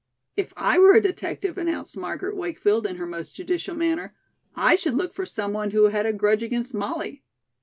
"If I were a detective," announced Margaret Wakefield, in her most judicial manner, "I should look for some one who had a grudge against Molly."